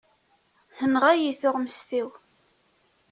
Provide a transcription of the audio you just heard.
Tenɣa-iyi tuɣmest-iw.